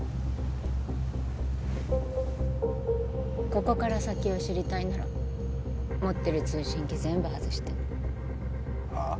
ここから先を知りたいなら持ってる通信機全部外してはあ？